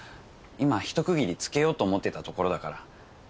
今一区切りつけようと思ってたところだから。